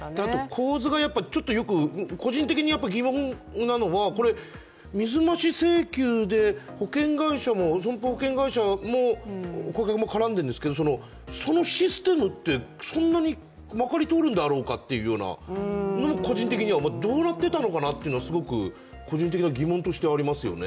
構図が、個人的に疑問なのは、これ水増し請求で、損保保険会社も顧客も絡んでいるんですけど、そのシステムってそんなにまかり通るんだろうかというような、どうなってたのかなっていうのがすごく個人的な疑問としてありますよね。